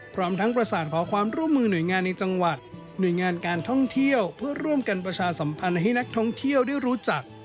พร้อมทั้งประสานขอความร่วมมือหน่วยงานในจังหวัดหน่วยงานการท่องเที่ยวเพื่อร่วมกันประชาสัมพันธ์ให้นักท่องเที่ยวได้รู้จัก